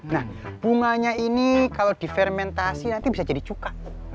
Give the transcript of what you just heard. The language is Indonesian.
nah bunganya ini kalau difermentasi nanti bisa jadi cuka